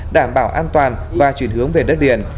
đảm bảo an toàn và chuyển hướng về đất liền